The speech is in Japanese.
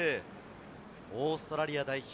オーストラリア代表